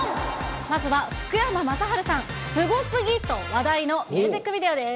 まずは福山雅治さん、すごすぎと話題のミュージックビデオです。